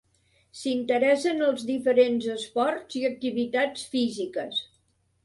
S'interessa en els diferents esports i activitats físiques.